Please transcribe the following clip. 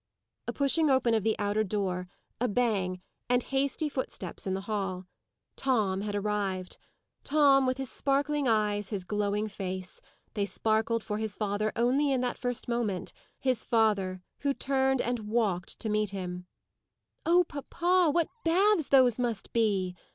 A pushing open of the outer door, a bang, and hasty footsteps in the hall. Tom had arrived. Tom, with his sparkling eyes, his glowing face. They sparkled for his father only in that first moment; his father, who turned and walked to meet him. "Oh, papa! What baths those must be!"